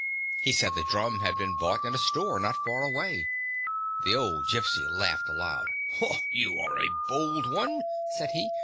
He said the drum had been bought at a store not far away. The old Gypsy laughed aloud. " You are a bold one !" said he.